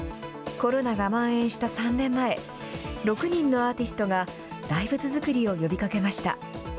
コロナがまん延した３年前、６人のアーティストが、大仏づくりを呼びかけました。